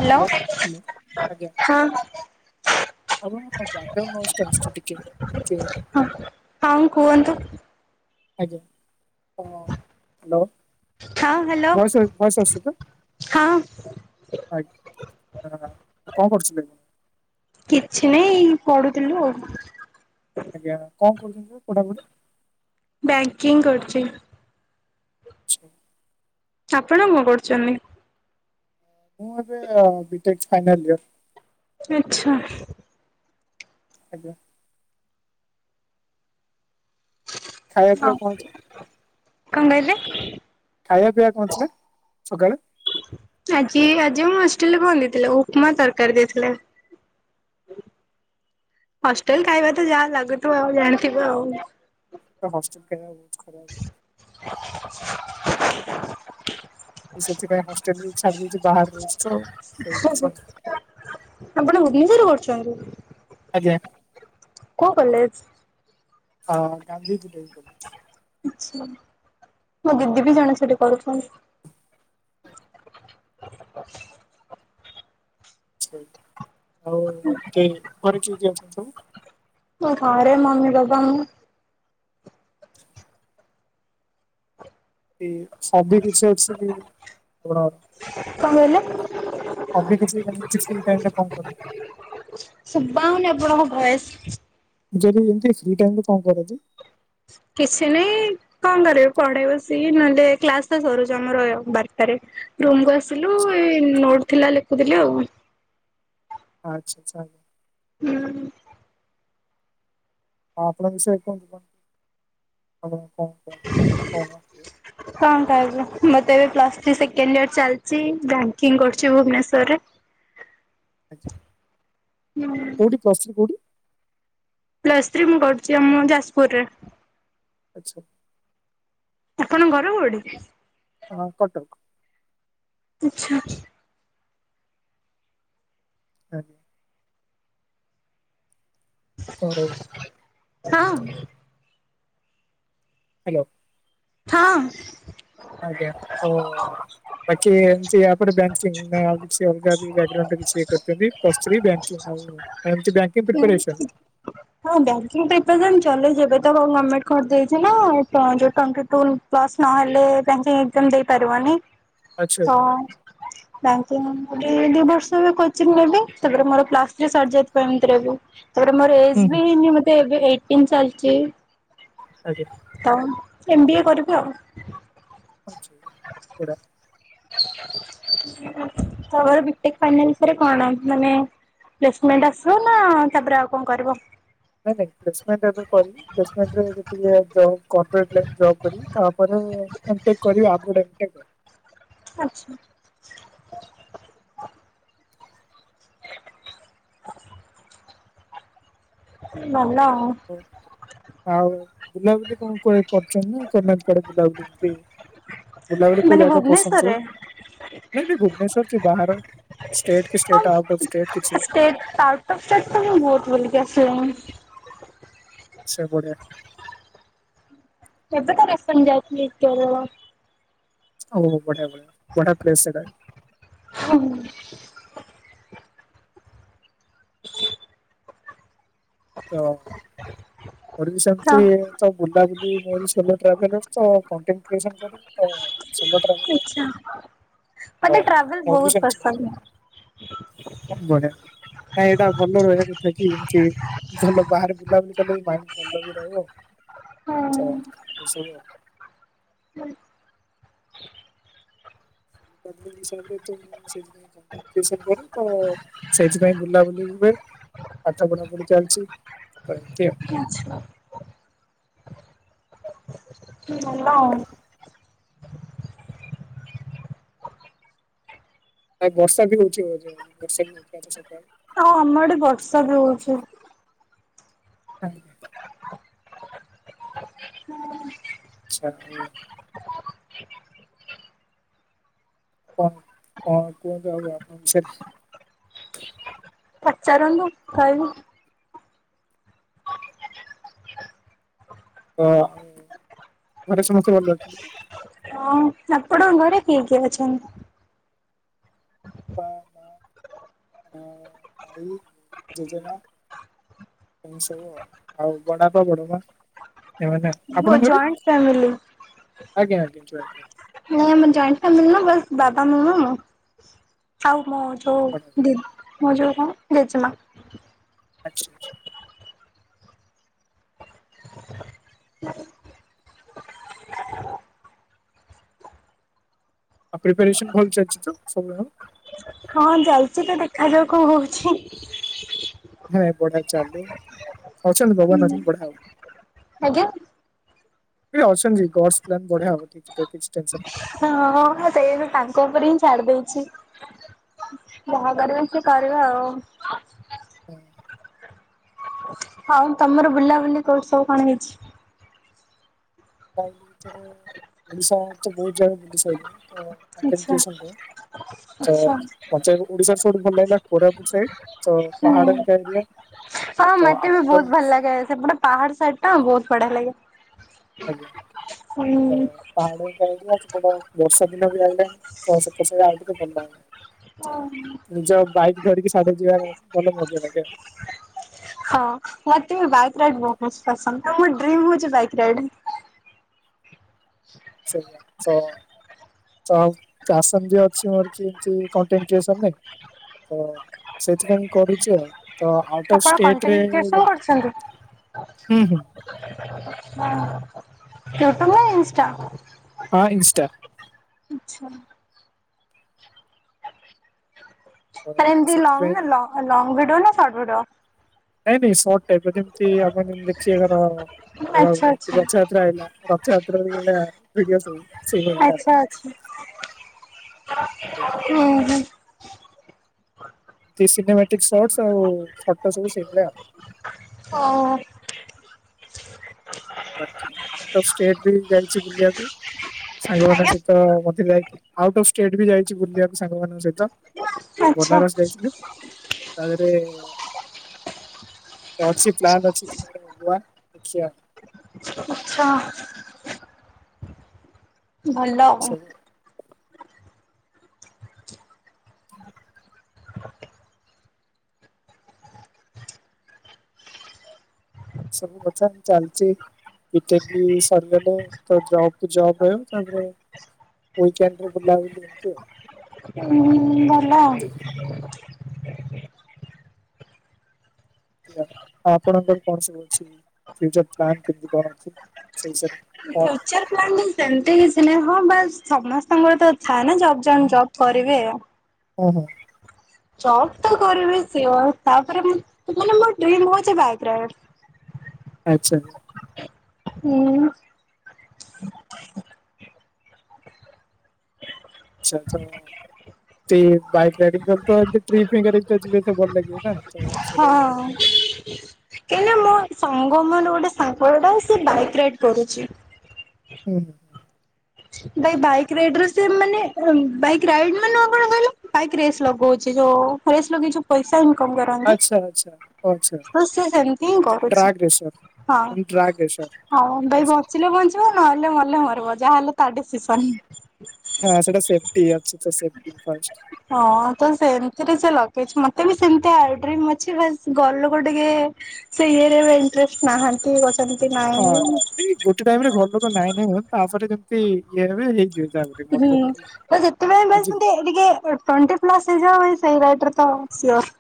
Hello. Hello hello ଆଜ୍ଞା [unintelligible] ହଁ ହଉ କୁହନ୍ତୁ? ଆଜ୍ଞା ହଁ ହାଲୋ। ହଁ ହ୍ୟାଲୋ ବୟସ ଭୟସ ଆସୁଚି ତ। ହଁ ଆଜ୍ଞା କଣ କରୁଥିଲେ? କିଛି ନାଇଁ ଏଇ ପଢୁଥିଲୁ ଆଉ। ଆଜ୍ଞା କଣ କରୁଚନ୍ତି ପଢାପୁଢି? ବ୍ୟାକିଂ କରୁଚି। ଛ ଆପଣ କଣ କରୁଚନ୍ତି? ମୁଁ ଏବେ ବିଟେକ୍ ଫାଇନାଲ୍ ଇୟର୍। ଆଚ୍ଛା। ଆଜ୍ଞା। ଖାଇବା ପିଇବା ହଁ କଣ ଅଛି କଣ କହିଁଲେ? ଖାଇବା ପିଇବା କନ ଥିଲା ସକାଳେ? ଆଜି ଆଜି ମୁଁ ହଷ୍ଟେଲରେ ବନିଥିଲା ଉପମା ତରକାରୀ ଦେଇଥିଲେ। ହଷ୍ଟେଲ୍ ଖାଇବା ତ ଯାହା ଲାଗୁଥିବ ଆଉ ଜାଣିଥିବ ଆଉ। ତ ହଷ୍ଟେଲ ଖାଇବା ବହୁତ୍ ଖରାପ୍। [inaudible] ସେଥିପାଇଁ ହଷ୍ଟେଲ ବି ଛାଡି ଦେଇଚି ବାହାରେ ରୁହୁଚି। ଆପଣ ଭୁବନେଶ୍ୱରରେ କରୁଚନ୍ତି। ଆଜ୍ଞା। କୋଉ କଲେଜ? ହଁ ଗାନ୍ଧୀ ପୁରରେ କରୁଚି। ଆଚ୍ଛା ମୋ ଦିଦି ବି ଜଣେ ସେଟି ପଢୁଚନ୍ତି। ଓ ଆଉ କି ଘରେ କିଏ କିଏ ଅଛନ୍ତି ସବୁ? ମୁଁମରେ ମମି ବାବା ମୁଁ। [unintelligible] କିଛି ଅଛି କି ବଡ। କଣ କହିଲେ? ହବି କିଛି [unintelligible] ଟାଇମି ଟା କଣ କରନ୍ତୁ। ଶୁଭା ହୁନି ଆପଣଙ୍କ ଭଏସ୍। ଯଦି ଏମିତି ଫି ଟାଇମରେ କଣ କରନ୍ତି? କିଛି ନାହିଁ। କଣ କରିବି ପଢେ ବସିକି ନହେଲେ କ୍ଲାସ ଟା ସରୁଛ ଆମର ବାରଟାରେ ରୁମ କୁ ଆସିଲୁ [inaudible] ଏଇ ନୋଟ ଥିଲା ଲେଖୁଥିଲି ଆଉ। ଆଚ୍ଛା। ହୁଁ। ହଁ ଆପଣଙ୍କ ବିଷୟ [unintelligible] କଣ କହିବୁ ମତେ ଏବେ ପ୍ଲସ୍ ଥ୍ରୀ ସେକେଣ୍ଡ ଇୟର ଚାଲିଛି ବ୍ୟାଙ୍କିଙ୍ଗ କରୁଛି ଭୁବନେଶ୍ରରେ। କୋଉଠି ପ୍ଲସ ଥ୍ରି କୋଉଠି? ପ୍ଲସ୍ ଥ୍ରୀ ମୁଁ କରୁଛି ଆମ ଯାଜପୁରରେ। ଆଚ୍ଛା। ଆପଣ ଘର କୋଉଠି? ହଁ କଟକ। ଆଚ୍ଛା। ହୁଁ। ଜା ହୋଊ। ହଁ। ହ୍ୟାଲୋ। ହଁ। ଆଜ୍ଞା ତ ବାକି ଏମତିଆ ଆପଣ ବ୍ୟାଙ୍କିଙ୍ଗ ନା ଆଉ କିଛି ଅଲଗା [unintelligible] କିଛି କରୁଛନ୍ତି? ପ୍ଲସ ଥ୍ରୀ ବ୍ୟାଙ୍କି ଆଉ ବ୍ୟାଙ୍କିଂ ପ୍ରିପରେସନ୍? ହଁ ବ୍ୟାଙ୍କିଙ୍ଗ ପ୍ରିପରେସନ୍ ଚଲଉଛି ଏବେ [unintelligible] ପ୍ଲସ୍ ନହେଲେ ବ୍ୟାଙ୍କିଙ୍ଗ ଏକଜାମ ଦେଇପାରିବନି ଆଚ୍ଛା ତ ଆଚ୍ଛା। [inaudible] ବ୍ୟାଙ୍କିଙ୍ଗ ଦି ବର୍ଷ ଏବେ କୋଚିଂ ନେବା ତାପରେ ମୋର ପ୍ଲସ୍ ଥ୍ରି ସରିଯାଇଥିବ ଏମିତିରେ ବି। ତାପରେ ମୋର ଏଜ୍ ହୁଁ ହୁଁ ବି ହେଇନି ମତେ ଏବେ ଏଇଟିନ୍ ଚାଲିଚି। ଆଜ୍ଞା। ତ ଏମ ବି ଏ କରିବି ଆଉ। [unintelligible] ତାପରେ ବିଟେକ୍ ଫାଇନାଲ୍ ବିଷୟରେ କଣ ମାନେ ପ୍ଲେସମେଣ୍ଟ ଆସିବ ନା ତାପରେ ଆଉ କଣ କରିବ? ନାଇଁ ନାଇଁ ପ୍ଲେସମେଣ୍ଟ ଏବେ କରିନି ପ୍ଲେସମେଣ୍ତ ରେ ଯେଦି ଇଏ ଜବ୍ ଗମେଣ୍ତେ ଲାଇନ ଜବ୍ କରିବି। ତାପରେ ଏମ୍ ଟିକ୍ କରିବା [unintelligible] ଆଚ୍ଛା। [inaudible] ଭଲ। ହଁ। ଆଉ ବୁଲାବୁଲି କଣ କୁଆଡ଼େ କରିଚନ୍ତିନା କରିନାହାନ୍ତି କୁଆଡ଼େ ବୁଲାବୁଲି ଏମତି? ବୁଲାବୁଲି କୋଉ ମାନେ ଜାଗା ପସନ୍ଦ ଭୁବନେଶ୍ୱରରେ ସବୁ? ମେବି ଭୁବନେଶ୍ଵର କି ବାହାର ଷ୍ଟେଟ କିଷ୍ଟେଟ ଆଉଟଫ୍ଷ୍ଟେଟ କିଛି? [unintelligible] ତସେତ ମୁଁ ବହୁତ୍ ବୁଲିକି ଆସିଲାଣି। ଆଚ୍ଛା ବଢ଼ିଆ। ଏବେ ତ ରିସେଣ୍ତେ୍ ଯାଇଥିଲି କେରେଳ। ଓହୋ ବଢ଼ଆ ବଢଆ ବଢ଼ିଆ ପ୍ଲେସ୍ ସେଇଟା। ହୁଁ। ତ ମର୍ ବି ହଁ ସେମିତି ତ ବୁଲାବୁଲି ମୋର ସୋଲୋ ଟ୍ରାଭେଲ ତ କଣ୍ଟେଣ୍ଟ କ୍ରିଏସନ କରେ ତ। ଆଚ୍ଛା। ହଁ ମତେ ଟ୍ରାଭେଲ ମୋରବି ବହୁତ ପସନ୍ଦ। ସେମିତି। ନାଇଁ ଏଇଟା ଭଲ ରହିବା କଥା କି ଏମତି ଭଲ ବାହାରେ ବୁଲାବୁଲି କଲେ ବି ମାଇଣ୍ଡ ଭଲ ବି ରହିବ ତ ହଁ ଏସବୁ ଆଉ। [unintelligible] ହିସାବରେ ତ ସେ [unintelligible] ସେଇଥିପାଇଁ ବୁଲାବୁଲି ହୁଏ। ପାଠ ପଢା ପଢି ଚାଲିଚି ଏମିତି ଆଉ। [inaudible] ହୁଁ ଭଲ ଆଉ। ନାଇ ବର୍ଷା ବି ହଉଛି ବୋଧେ ବର୍ଷା ବି ହୋଉଥିଲା ତ ସକାଳୁ। ହଁ ଆମଆଢେ ବର୍ଷା ବି ହଉଛି। ଆଜ୍ଞା। ଆଚ୍ଛା ହଉ। କଣ କଣ କୁହନ୍ତ ଆଉ ଆପଣଙ୍କ ବିଷୟରେ? ପଚାରନ୍ତୁ କହିବି? ତ ଘରେ ସମସ୍ତେ ଭଲ ଅଛନ୍ତି ତ? ହଁ, ଆପଣଙ୍କ ଘରେ କିଏ କିଏ ଅଛନ୍ତି? ବାପା, ମାଆ, ଭାଇ, ଜେଜେମା। ଏମିତି ସବୁ ଆଉ ଆଉ ବଡ଼ ବାପା, ବଡ଼ ମା। ଏଇ ମାନେ ମୋ ଆପଣଙ୍କ ଘରେ ଜଏଣ୍ଟ ଫ୍ୟାମିଲି। ଆଜ୍ଞା ଆଜ୍ଞା ଜଏଣ୍ଟେ ଫ୍ୟାମିଲି। ନାଇଁ ଆମର ଜଏଣ୍ଟ ଫାମିଲି ନା ବାସ୍ ବାବା, ମାମା, ମୁଁ ଆଉ ମୋର ଯୋଉ କରିବି ଦିଦି। ମୋର ଯୋଉ କଣ ଜେଜେମା। ଆଚ୍ଛା ଆଚ୍ଛା। ଆଉ ପ୍ରିପାରେସନ୍ ଭଲ ଚାଲିଚି ତ ସବୁର? ହଁ ଚାଲିଚି ତ ଦେଖାଯାଉ କଣ ହଉଚି। ହଁ ପଢା ଚାଲୁ ଅଛନ୍ତି ଭଗବାନ ଅଛନ୍ତି ବଢ଼ିଆ ହବ। ଆଜ୍ଞା। ଅଛନ୍ତି ଗଡସ୍ ପ୍ଲାନ୍ ବଢିଆ ହବ କିଛି କିଛି ଟେନ୍ସନ୍ ନାଇ। ହଁଁ ସେଇ ତାଙ୍କ ଉପରେ ହିଁ ଛାଡି ଦେଇଛି। ଯାହା କରିବେ ସିଏ କରିବେ ଆଉ। ହୁଁ। ହଉ ତମର ବୁଲାବୁଲି କୋଉଠି ସବୁ କଣ ହେଇଛି? ତା ଭିତରେ ଓଡ଼ିଶା ତ ବହୁତ ଜାଗା ବୁଲି ସାଇଲିଣୀ ତ କଣ୍ଟେଣ୍ଡ ଆଚ୍ଛା। କ୍ରିଏସନରେ ଆଚ୍ଛା ତ ଓଡିଶାର ସବୁଠୁ ଭଲ ଲାଗିଲା କୋରାପୁଟ ସାଇଡ୍। ହୁଁ ହଁ ତ ମତେ ବି ଆଉଟ ବହୁତ ଭଲ ଅଫ୍ ଲାଗେ ସେପଟେ ପାହାଡ ସାଇଡ୍ ଟା ବହୁତ ବଢ଼ିଆ ଲାଗେ। ଆଜ୍ଞା। ହୁଁ। ପାହାଡ [inaudible] ବର୍ଷା ଦିନ ବି ଆଇିଲାଣି ଚାଷ ବାସ ଆଉ ଟିକେ ଭଲ ହେବ। ନିଜ ବାଇକ୍ ଧରିକି ସାଢ଼େ ଯିବା ଭଲ ମଜା ଲାଗେ ଆଉ। ହଁ ମତେ ବି ବାଇକ୍ ରାଇଡ ବହୁତ ପସନ୍ଦ। ତ ମୋ ଡ୍ରିମ୍ ହଉଛି ବାଇକ୍ ରାଇଡ। ସେଇଆ ତ। ତ ପ୍ୟାସନ ବି ଅଛି ମୋର କି ଏମତି କଣ୍ଟେଣ୍ଡ କ୍ରିଏସନରେ? ତ ସେଥିପାଇଁ କରୁଛି ଆଉ। ତ ଆଉଟ ଅଫ ଆପଣ ଷ୍ଟେଟ୍ ରେ କଣ୍ଟେଣ୍ଟ କ୍ରିଏସନ କରୁଛନ୍ତି ହୁଁ ହୁଁ। ୟୁଟ୍ୟୁବ ନା ଇନ୍ସଷ୍ଟା? ହଁ ଇନ୍ଷ୍ଟା। ଆଚ୍ଛା ତ ଆରେ ଏମତି ସେଥିପାଇଁ ଲଙ୍ଗ ନା ଲଙ୍ଗ ଭିଡ ନା ସର୍ଟ ଭିଡିଓ? ନାଇଁ ନାଇଁ ସଟ୍ ଟାଇପ୍ ର ଯେମିତି ଆପଣ ଯେ ଦେଖିବେ ଆଚ୍ଛା ଆଚ୍ଛା [unintelligible] ତ୍ରା ଆଇଲା ରଥଯାତ୍ରାଳିଆ ଭିଡିଓ ସୁଟ୍। ଆଚ୍ଛା ଆଚ୍ଛା ସେଇଭଳିଆ ହୁ ହୁଁ। ସିନେମାଟିକ ସର୍ଟସ ଆଉ ଫଟୋ ସବୁ ସେଭଳିଆ ଆଉ। ହଉ ହଉ। ବାକି ଆଉଟ୍ ଅଫ୍ ଷ୍ଟେଟ୍ ବି ଯାଇଛି ବୁଲିବାକୁ। ସାଙ୍ଗମାନଙ୍କ ଆଜ୍ଞା ସହିତ ମତେ ଯାଇଥିଲ ଆଉଟ ଅଫ ଷ୍ଟେଟ ବି ଯାଇଛି ବୁଲିବାକୁ ସାଙ୍ଗମାନଙ୍କ ସହିତ। ଆଚ୍ଛା ବନାରସ ଯାଇଥିଲୁ। ତା ଦେହରେ ଅଛି ପ୍ଲନ୍ ଅଛି ଯିବାର ଗୋଆ ଦେଖିଆ। ଆଚଛା। ଭଲ ଆଉ। ସବୁ ସବୁ କଥା ଚାଲଚି। ବିଟେକ୍ ବି ସରିଗଲେ ତ ଜବକୁ ଜବ ରହିବ ତାପରେ ଉଇକଣ୍ଡ ରେ ବୁଲବୁଲି ଏମିତି ଆଉ। ହୁଁ ଭଲ ଆଉ। ଆଉ ଆପଣଙ୍କର କଣ ସବୁ ଅଛି ଫ୍ୟୁଚର ପ୍ଲନ୍ କେମତି କଣ ଅଛି ସେ ବିଷୟରେ କଣ ପ୍ରଚର ହଁ ପ୍ଲାନ ନାହିଁ? ସେମିତି କିଛି ନାହିଁ ହଁ ବାସ୍ ସମସ୍ତଙ୍କର ତ ଥାଏ ନା ଜବ ଜବ୍ କରିବେ ଆଉ। ହୁଁ ହୁଁ। ଜବ୍ ତ କରିବି ସିୟର୍ ତାପରେ ମୁ ମାନେ ମୋର ଡ୍ରିମ ହଉଛି ବାଇକ୍ ରାଇଡ୍। ଆଚ୍ଛା ଉୁଁ।। ଆଚଛା ତ ବାଇକ ରାଇଡିଙ୍ଗ କଲେ ତ ଟ୍ରିପ ହିଁ କରିକି ଯିବେ ତ ଭଲ ଲାଗିବ ନା। ତ ସେଇଟା ବି ଭଲ। କିନ୍ନା ମୋଟ ସାଙ୍ଗ ମାନେ ମୋର ଗୋଟେ ସାଙ୍ଗ ଟେ ସିଏ ବାଇକ ରାଇଡ କରୁଛି। [inaudible] ଭାଇ ବାଇକ୍ ରାଇଡ ର ସେ ମାନେ ବାଇକ ରାଇଡ ମାନ କଣ କହିଲ ବାଇକ୍ ରେସ୍ ଲଗଉଛି ଯୋଉ ରେସ୍ ଲଗେଇକି ଯୋଉ ପଇସା ଇନକମ୍ କରନ୍ତି ଆଚ୍ଛା ଆଚ୍ଛା। [unintelligible] ହଁ ସେ ସେମିତି ହିଁ କରୁଚି ଡ୍ରାଗ ରେସର ହଁ। ଡ୍ରାଗ ରେସର ହଁ ଭାଇ ଆଚ୍ଛା। ବଞ୍ଚିଲେ ବଞ୍ଚିବ ନହେଲେ ମଲେ ମରିବ ଯାହାହେଲେ ତା ଡିସିସନ୍। ହଁ ସେଟା ସେଫ୍ଟି ଅଛି ତ ସେଫ୍ଟି ଫାଷ୍ଟ। ହଁ ତ ସେମତିରେ ସେ ଲଗେଇଛି ମତେ ବି ସେମତି ଆ ଡ୍ରିମ୍ ଅଛି ବାସ୍ ଘରଲୋକୁ ଟିକେ ସେ ଇଏରେ ଇଣ୍ଟରେଷ୍ଟ ନାହାନ୍ତି ଘ ହଁ ଏଇ ଗୋଟେ ଟାଇମ୍ ରେ ଘର ଲୋକ ନାଇଁ ନାଇଁ ହୁହନ୍ତି ତାପରେ ଯେମିତି ଇଏ ହେବେ ହେଇଯିବ। ହୁଁ ବାସ୍ ଯେତେବେଳେ ବାସ୍ ଟିକେ ଇଏକି। - ଟ୍ୱେଣ୍ଟି ପ୍ଲସ୍ ହେଇଯାଏ ସେଇ ରାଇଟରେ ତ ସିଓର୍।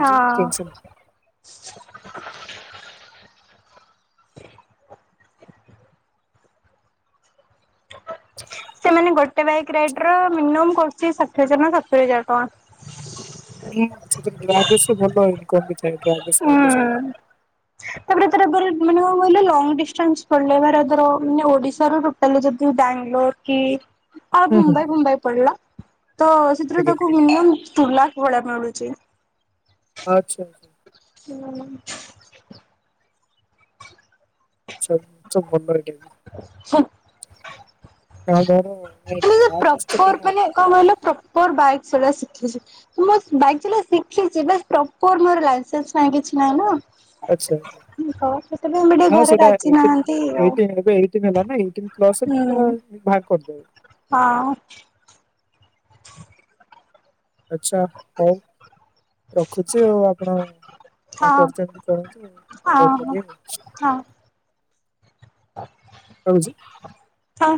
ହଁ ସେ ମାନେ ଗୋଟେ ବାଇକ୍ ରାଇଟିର ମିନିମମ୍ କରୁଚି ଷାଠିଏ ହଜାର ନା ସତୁରି ହଜାର ଟଙ୍କା। ହୁଁ ସେଥିରେ [unintelligible] ଭଲ ଇନକମ୍ ବି ଥାଏ [unintelligible] ଭଲ ସବୁଠୁ। ହୁଁ। ତାପରେ ତାର ଫେରେ ମାନେ କଣ କହିଲ ଲଙ୍ଗ ଡିଷ୍ଟାନ୍ସ ଚଲେଇବାର ଆଇଦର୍ ମାନେ ଓଡିଶାରୁ ତାହେଲେ ଯଦି ବ୍ୟାଙ୍ଗଲୋର କି ଆଉ ହୁଁ ହୁଁ ମୁମ୍ବାଇ ଫୁମ୍ବାଇ ପଡିଲା ତ ସେଥିରେ ଆଜ୍ଞା ତାକୁ ମିନିମମ୍ ଟୁ ଲାଖ ଭଳିଆ ମିଳୁଚି। ଆଚ୍ଛା। ହୁଁ। [unintelligible] [unintelligible] [unintelligible] ତ କେହି ପ୍ରପର୍ ନାହାନ୍ତି ମାନେ କଣ କହିଲ ପ୍ରପର୍ ବାଇକ୍ ଚଲେଇବା ଶିଖିଚି। ମୁଁ ବାସ୍ ବାଇକ୍ ଚଲା ଶିଖିଚି ବାସ୍ ପ୍ରପର୍ ମୋରେ ଲାଇସେନ୍ସ ନାଇଁ କିଛି ନାହିଁ ନାଁ। ଆଚ୍ଛା। ସେଥିପାଇଁବି ଟିକେ ଘରେ ରାଜି ନାହାନ୍ତି। ଆଉ। ଏଇଟିନ୍ ଏବେ ଏଇଟିନ୍ ହେଲାନା ଏଇଟିନ୍ ପ୍ଲସ୍ କୁ ହୁଁ ପୁରା ବାହାର କରିଦେବେ। ହଁ। ଆଚ୍ଛା ହଉ ରଖୁଚି ଆଉ ଆପଣ ହଁ କଣ୍ କରୁଚନ୍ତି କରନ୍ତୁ ଆଉ ହଁ କଲ୍ କରିବି ଆଉ। ହଁ। ରହୁଚି। ହଁ।